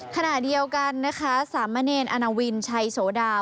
ขณะเดียวกันนะคะสามเณรอาณาวินชัยโสดา